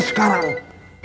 itu kenyataan sekarang